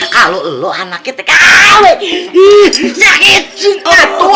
kalau lo anak kita kagak aduh sakit aduh